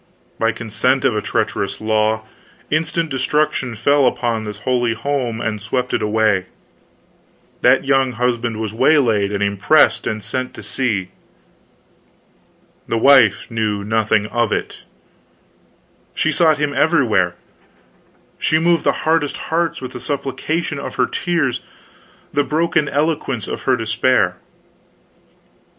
By consent of a treacherous law, instant destruction fell upon this holy home and swept it away! That young husband was waylaid and impressed, and sent to sea. The wife knew nothing of it. She sought him everywhere, she moved the hardest hearts with the supplications of her tears, the broken eloquence of her despair.